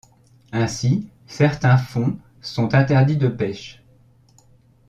Ainsi, certains fonds sont interdits de pêches.